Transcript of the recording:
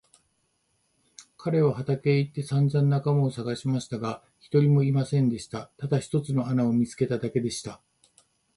彼は畑へ行ってさんざん仲間をさがしましたが、一人もいませんでした。ただ一つの穴を見つけただけでした。